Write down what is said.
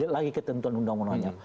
lagi ketentuan undang undangnya